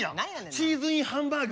チーズインハンバーグ。